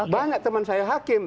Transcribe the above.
banyak teman saya hakim